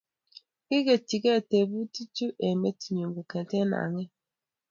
Kiketchikei tebutik chu eng metinyu kongete ang'et